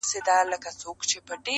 چي اې زویه اې زما د سترګو توره!